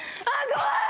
怖い！